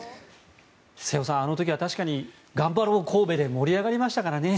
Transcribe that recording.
瀬尾さん、あの時は確かにがんばろうＫＯＢＥで盛り上がりましたからね。